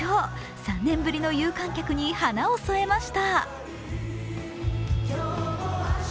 ３年ぶりの有観客に華を添えました。